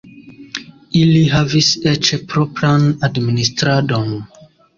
Ili havis eĉ propran administradon.